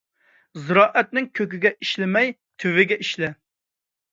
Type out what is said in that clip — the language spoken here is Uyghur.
زىرائەتنىڭ كۆكىگە ئىشلىمەي، تۈۋىگە ئىشلە.